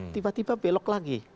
tiba tiba belok lagi